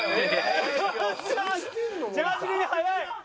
ジャージ組速い。